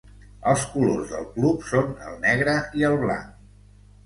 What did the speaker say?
Els colors del club són el negre i el blanc.